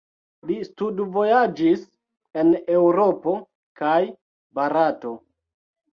Li studvojaĝis en Eŭropo kaj Barato.